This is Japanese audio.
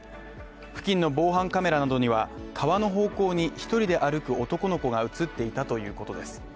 付近の防犯カメラなどには、川の方向に一人で歩く男の子が映っていたということです